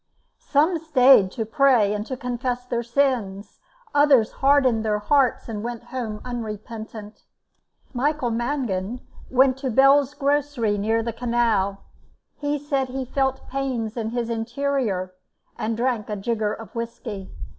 Some stayed to pray and to confess their sins; others hardened their hearts and went home unrepentant. Michael Mangan went to Belz's grocery near the canal. He said he felt pains in his interior, and drank a jigger of whisky.